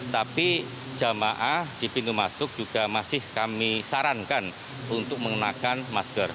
tapi jamaah di pintu masuk juga masih kami sarankan untuk mengenakan masker